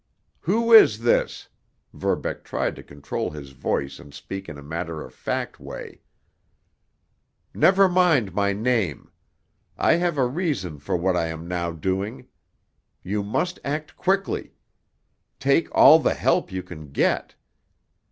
"Who is this?" Verbeck tried to control his voice and speak in a matter of fact way. "Never mind my name. I have a reason for what I am now doing. You must act quickly. Take all the help you can get.